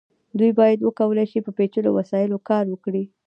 دوی باید وکولی شي په پیچلو وسایلو کار وکړي.